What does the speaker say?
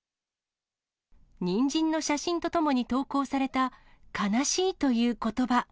にんじんの写真とともに投稿された、悲しいということば。